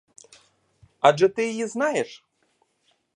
Адже ти її знаєш?